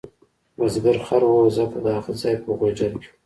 بزګر خر وواهه ځکه د هغه ځای په غوجل کې و.